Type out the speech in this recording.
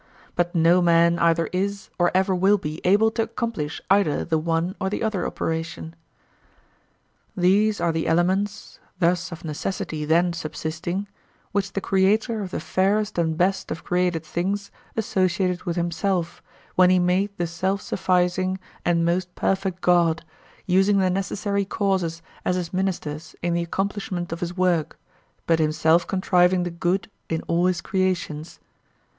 But no man either is or ever will be able to accomplish either the one or the other operation. These are the elements, thus of necessity then subsisting, which the creator of the fairest and best of created things associated with himself, when he made the self sufficing and most perfect God, using the necessary causes as his ministers in the accomplishment of his work, but himself contriving the good in all his creations.